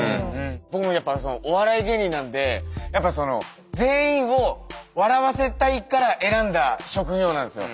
僕もやっぱりお笑い芸人なんでやっぱその全員を笑わせたいから選んだ職業なんですよ。